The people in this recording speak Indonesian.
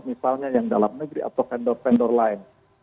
misalnya yang dalam negeri atau vendor vendor lain